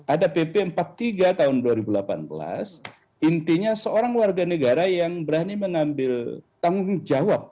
ada pp empat puluh tiga tahun dua ribu delapan belas intinya seorang warga negara yang berani mengambil tanggung jawab